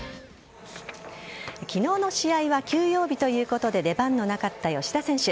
昨日の試合は休養日ということで出番のなかった吉田選手。